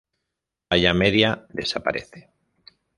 Playa media desaparece.